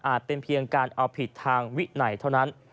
เป็นเพียงการเอาผิดทางวินัยเท่านั้น